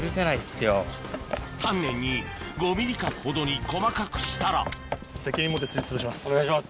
丹念に５ｍｍ角ほどに細かくしたら責任持ってすりつぶします。